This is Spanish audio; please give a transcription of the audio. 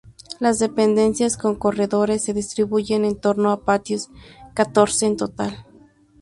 Las dependencias, con corredores, se distribuyen en torno a patios -catorce en total-.